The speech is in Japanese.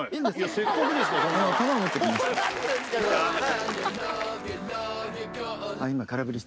せっかくですから。